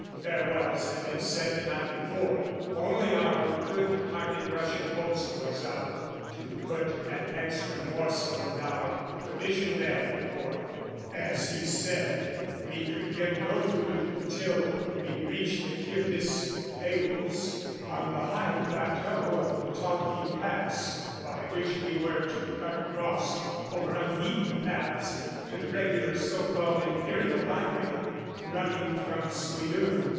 Farewells had been said the night before. Only our good hearted Russian host was up to put an extra morsel in our provision bag, for, as he said, we could get no food until we reached the Kirghiz aouls on the high plateau of the Talki pass, by which we were to cut across over unbeaten paths to the regular so called imperial highway, running from Suidun.